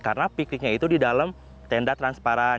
karena pikniknya itu di dalam tenda transparan